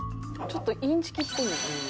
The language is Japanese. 「ちょっとインチキっぽい」